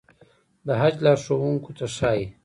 د حج لارښوونکو ته ښايي.